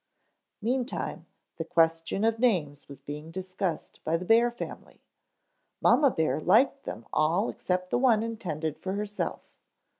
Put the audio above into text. Meantime, the question of names was being discussed by the bear family. Mamma bear liked them all except the one intended for herself.